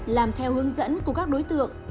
làm theo hướng dẫn của các đối tượng